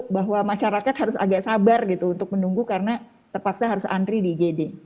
bahwa masyarakat harus agak sabar gitu untuk menunggu karena terpaksa harus antri di igd